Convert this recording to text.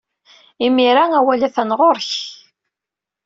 Imir-a, awal atan ɣer-k.